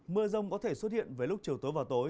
mưa rông có thể xuất hiện với lúc chiều tối và tối